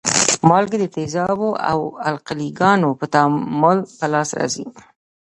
مالګې د تیزابو او القلي ګانو په تعامل په لاس راځي.